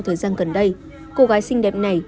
thời gian gần đây